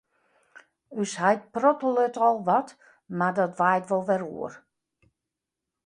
Us heit prottelet al wat, mar dat waait wol wer oer.